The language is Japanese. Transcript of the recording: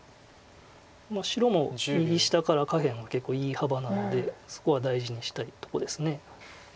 白も右下から下辺は結構いい幅なのでそこは大事にしたいとこです。